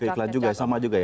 iklan juga sama juga ya